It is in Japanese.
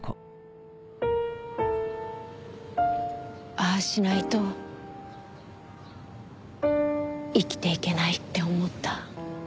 ああしないと生きていけないって思った。